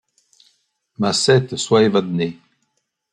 Macette, sois Evadné !